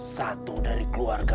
satu dari keluarga